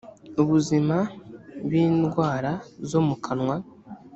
ubuzima bindwara zo mukanwa